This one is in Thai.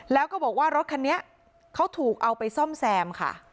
แล้วก็บอกว่ารถคันนี้เขาถูกเอาไปซ่อมแซมค่ะ